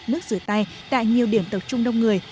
nước rửa tay tại nhiều điểm tập trung đông người